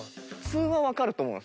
普通は分かると思う。